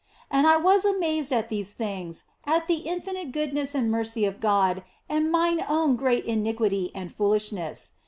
And I was amazed at these things, at the infinite goodness and mercy of God and mine own great iniquity and foolishness.